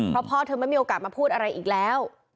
เพราะพ่อเธอไม่มีโอกาสมาพูดอะไรอีกแล้ว